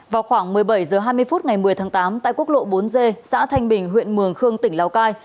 vào khoảng một mươi bảy h hai mươi phút ngày một mươi tháng tám tại quốc lộ bốn g xã thanh bình huyện mường khương tỉnh lào cai